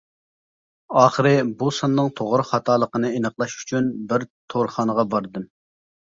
ئاخىرى بۇ ساننىڭ توغرا-خاتالىقىنى ئېنىقلاش ئۈچۈن بىر تورخانىغا باردىم.